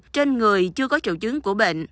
trên người chưa có triệu chứng của bệnh